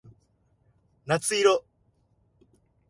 夏色